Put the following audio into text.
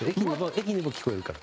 駅にも聞こえるから。